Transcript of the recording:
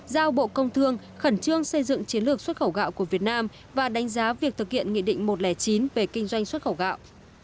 giao bộ công thương khẩn trương xây dựng chiến lược xuất khẩu gạo của việt nam và đánh giá việc thực hiện nghị định một trăm linh chín về kinh doanh xuất khẩu gạo